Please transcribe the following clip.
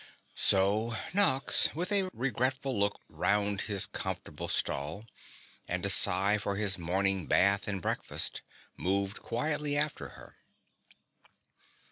So Nox, with a regretful look round his comfortable stall and a sigh for his morning bath and breakfast, moved quietly after her.